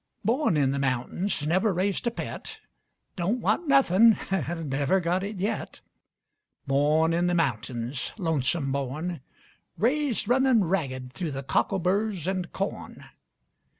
Born in the mountains, never raised a pet, Don't want nuthin' an' never got it yet. Born in the mountains, lonesome born, Raised runnin' ragged thu' the cockleburrs and corn.